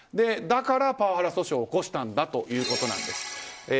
だから、パワハラ訴訟を起こしたんだということなんです。